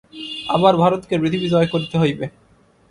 আবার ভারতকে পৃথিবী জয় করিতে হইবে।